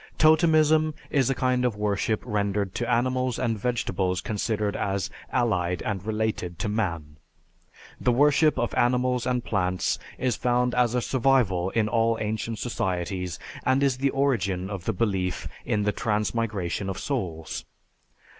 Totemism is a kind of worship rendered to animals and vegetables considered as allied and related to man. The worship of animals and plants is found as a survival in all ancient societies and is the origin of the belief in the transmigration of souls.